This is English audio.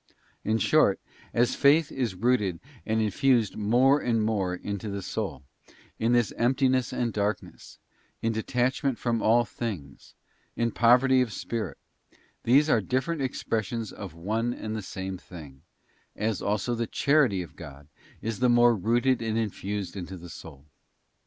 In short, as faith is rooted and infused more and more into the soul, in this emptiness and darkness, in detachment:from all things, in poverty of spirit — these are different expressions of one and the same thing —so also the Charity of God is the more rooted and infused into the soul.